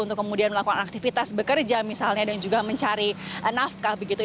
untuk kemudian melakukan aktivitas bekerja misalnya dan juga mencari nafkah begitu